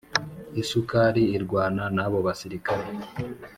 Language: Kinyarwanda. Isukari irwana nabobasirikare